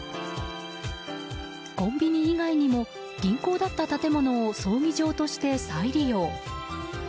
コンビニ以外にも銀行だった建物を葬儀場として再利用。